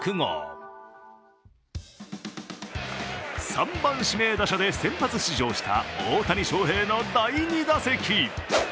３番指名打者で先発出場した大谷翔平の第２打席。